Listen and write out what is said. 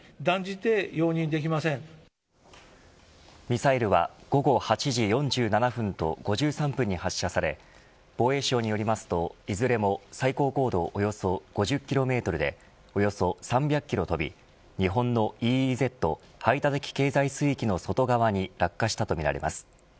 ミサイルは午後８時４７分と５３分に発射され防衛省によりますと、いずれも最高高度およそ５０キロメートルでおよそ３００キロ飛び日本のＥＥＺ排他的経済水域の外側に落下したとみられます。